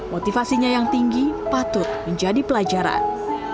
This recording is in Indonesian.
motivasinya yang tinggi patut menjadi pelajaran